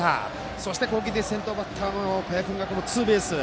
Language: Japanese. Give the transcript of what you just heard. そして攻撃で先頭バッターの小矢君がツーベース。